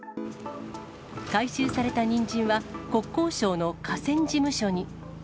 回収されたニンジンは、国交省の河川事務所に。